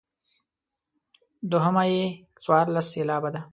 دوهمه یې څوارلس سېلابه ده.